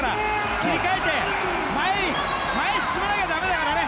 切り替えて前へ進まなきゃだめだからね。